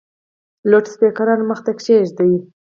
لوډسپیکران مخ ته کښېږده !